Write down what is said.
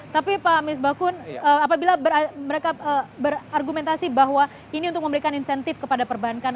tapi pak misbakun apabila mereka berargumentasi bahwa ini untuk memberikan insentif kepada perbankan